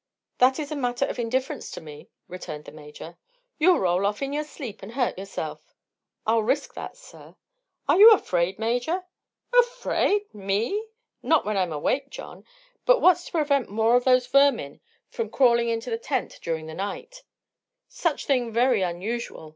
"That is a matter of indifference to me," returned the Major. "You'll roll off, in your sleep, and hurt yourself." "I'll risk that, sir." "Are you afraid, Major?" "Afraid! Me? Not when I'm awake, John. But what's to prevent more of those vermin from crawling into the tent during the night?" "Such thing very unusual."